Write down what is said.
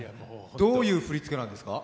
どういう振りつけなんですか？